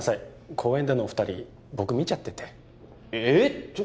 公園でのお二人僕見ちゃっててええっちょ